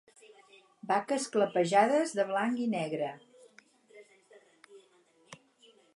Vaques clapejades de blanc i negre.